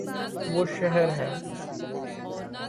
وہ شہر ہے